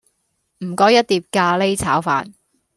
唔該一碟咖哩炒飯